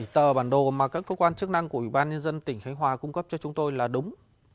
tờ bản đồ mà các cơ quan chức năng của ủy ban nhân dân tỉnh khánh hòa cung cấp cho chúng tôi là đúng